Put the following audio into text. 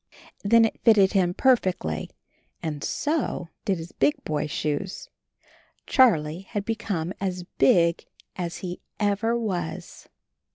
Then it fitted him perfectly, and so did his big boy shoes. Charlie had be come as big as he ever was.